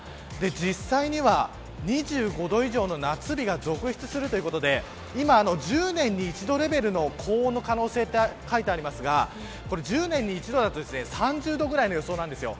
実際には２５度以上の夏日が続出するということで１０年に一度レベルの高温の可能性が書いてありますが１０年に一度だと３０度ぐらいの予想なんですよ。